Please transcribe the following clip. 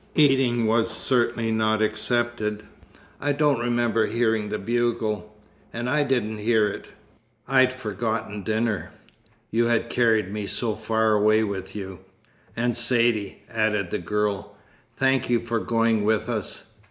Eating was certainly not excepted. I don't remember hearing the bugle." "And I didn't hear it." "I'd forgotten dinner. You had carried me so far away with you." "And Saidee," added the girl. "Thank you for going with us."